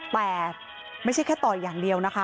แต่ไม่ใช่แค่ต่อยอย่างเดียวนะคะ